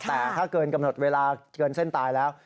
แต่ถ้าเกินกำหนดเวลาเกินเส้นตายแล้ว